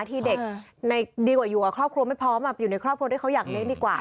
ที่เด็กดีกว่าอยู่กับครอบครัวไม่พร้อมอยู่ในครอบครัวที่เขาอยากเลี้ยงดีกว่า